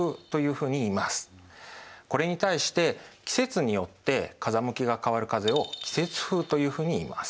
これに対して季節によって風向きが変わる風を季節風というふうにいいます。